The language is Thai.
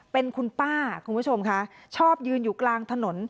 เป็นคุณป้าคุณผู้ชมค่ะชอบยืนอยู่กลางถนน